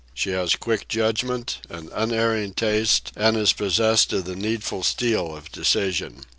She has quick judgment, an unerring taste, and is possessed of the needful steel of decision.